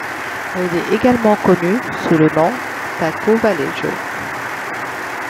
Il est également connu sous le nom Paco Vallejo.